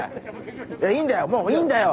いやいいんだよ